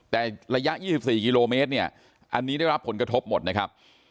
แต่ระยะ๒๔กิโลเมตรเนี่ยอันนี้ได้รับผลกระทบหมดนะครับ